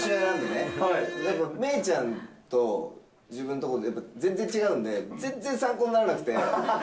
芽郁ちゃんと自分のとこと全然違うんで、全然参考にならなくて。